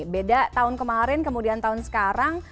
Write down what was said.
beda tahun kemarin kemudian tahun sekarang